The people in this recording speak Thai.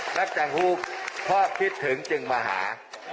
รักจังหู้เพราะพิสถึงจึงมาหา